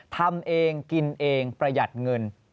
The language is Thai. ทำเองกินเองประหยัดเงิน